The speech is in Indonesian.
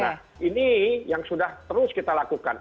nah ini yang sudah terus kita lakukan